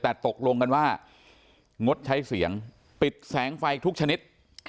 แต่ตกลงกันว่างดใช้เสียงปิดแสงไฟทุกชนิด